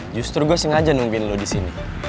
justru gue sengaja nungguin lo disini